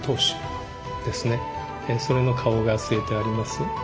それの花押が据えてあります。